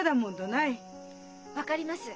分かります。